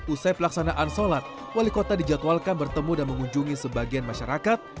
usai pelaksanaan sholat wali kota dijadwalkan bertemu dan mengunjungi sebagian masyarakat